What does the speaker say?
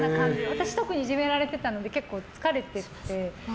私、特にいじめられてたので結構、疲れてて。